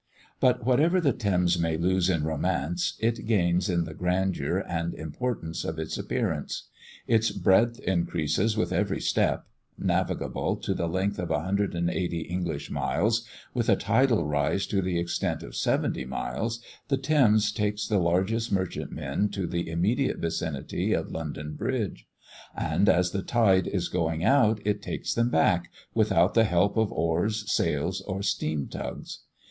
But, whatever the Thames may lose in romance, it gains in the grandeur and importance of its appearance. Its breadth increases with every step. Navigable to the length of 180 English miles, with a tidal rise to the extent of seventy miles, the Thames takes the largest merchantmen to the immediate vicinity of London bridge; and as the tide is going out it takes them back, without the help of oars, sails, or steam tugs.